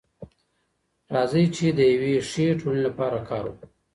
راځئ چي د يوې ښې ټولني لپاره کار وکړو.